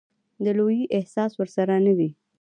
د لويي احساس ورسره نه وي.